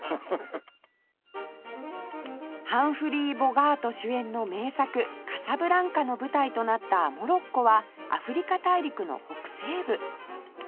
ハンフリー・ボガート主演の名作『カサブランカ』の舞台となったモロッコはアフリカ大陸の北西部